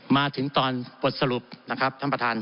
มาถึงตอนบทสรุปนะครับท่านประธาน